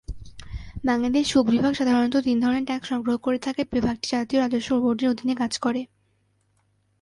বাংলাদেশ শুল্ক বিভাগ সাধারণত তিন ধরনের ট্যাক্স সংগ্রহ করে থাকে, বিভাগটি জাতীয় রাজস্ব বোর্ডের অধীনে কাজ করে।